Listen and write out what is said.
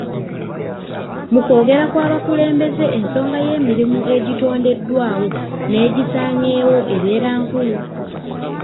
Mu kwogera kw'abakulembeze ensonga y'emirimu egitondeddwawo n'egisaanyeewo ebeera nkulu.